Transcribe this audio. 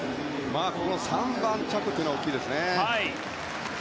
この３番着というのは大きいですね。